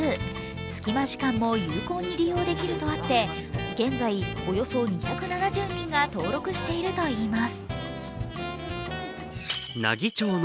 隙間時間も有効にりようできるとあって、現在、およそ２７０人が登録しているといいます。